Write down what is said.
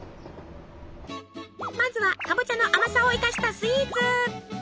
まずはかぼちゃの甘さを生かしたスイーツ。